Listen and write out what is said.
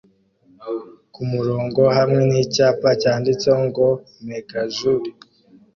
kumurongo hamwe nicyapa cyanditseho ngo 'Mega Joule'